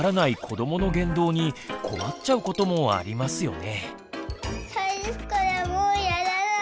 今日のテーマはに困っちゃうこともありますよね。